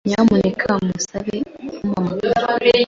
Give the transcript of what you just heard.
Nyamuneka musabe kumpamagara.